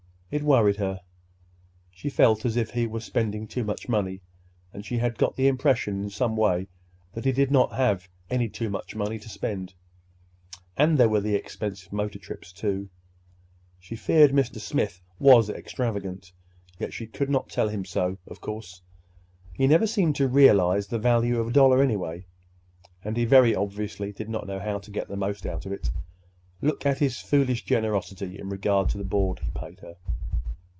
It worried her. She felt as if he were spending too much money—and she had got the impression in some way that he did not have any too much money to spend. And there were the expensive motor trips, too—she feared Mr. Smith was extravagant. Yet she could not tell him so, of course. He never seemed to realize the value of a dollar, anyway, and he very obviously did not know how to get the most out of it. Look at his foolish generosity in regard to the board he paid her!